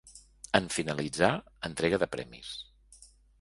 En finalitzar, entrega de premis.